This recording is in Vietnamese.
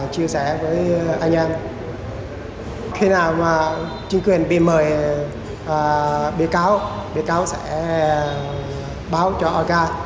chính quyền bị mời bí cáo bí cáo sẽ báo cho aga